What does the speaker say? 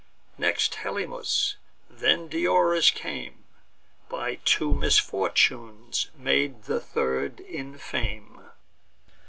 Next Helymus; and then Diores came, By two misfortunes made the third in fame.